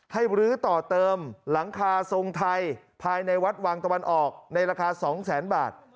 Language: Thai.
รื้อต่อเติมหลังคาทรงไทยภายในวัดวังตะวันออกในราคา๒แสนบาท